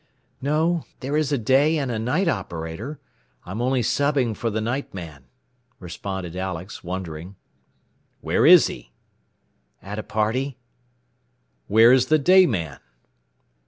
"No; there is a day and a night operator. I am only 'subbing' for the night man," responded Alex, wondering. "Where is he?" "At a party." "Where is the day man?"